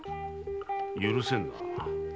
許せんな。